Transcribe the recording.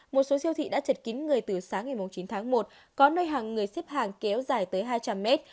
một số siêu thị đã chật kín người từ sáng ngày chín tháng một có nơi hàng người xếp hàng kéo dài tới hai trăm linh mét